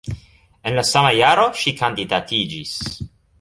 En la sama jaro ŝi kandidatiĝis.